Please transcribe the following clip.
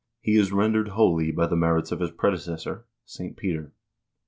He is rendered holy by the merits of his predecessor, St. Peter.